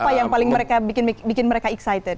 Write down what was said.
apa yang paling mereka bikin mereka excited